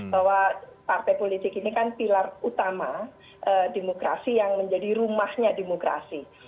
bahwa partai politik ini kan pilar utama demokrasi yang menjadi rumahnya demokrasi